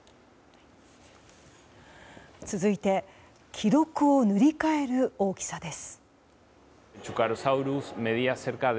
続いて記録を塗り替える大きさです。